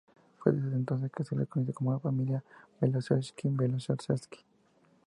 Fue desde entonces que se les conoció como la familia Beloselski-Belozerski.